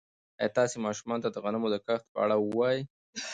ایا تاسي ماشومانو ته د غنمو د کښت په اړه وایئ؟